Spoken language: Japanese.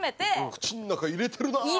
口の中入れてるな！